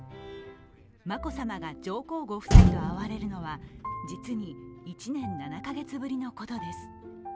眞子さまが上皇ご夫妻と会われるのは、実に１年７カ月ぶりのことです。